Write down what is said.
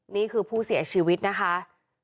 นี่คือผู้เสียชีวิตนะคะ